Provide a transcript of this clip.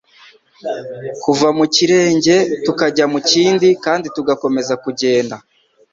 kuva mu kirenge tukajya mu kindi kandi tugakomeza kugenda